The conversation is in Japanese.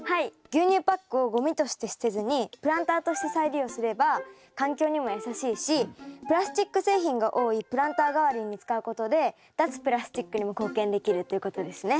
牛乳パックをゴミとして捨てずにプランターとして再利用すれば環境にもやさしいしプラスチック製品が多いプランター代わりに使うことで脱プラスチックにも貢献できるっていうことですね。